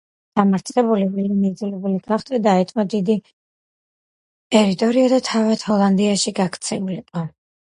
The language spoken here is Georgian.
დამარცხებული ვილემი იძულებული გახდა დაეთმო დიდი ტერიტორია და თავად ჰოლანდიაში გაქცეულიყო.